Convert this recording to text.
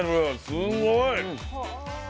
すごい。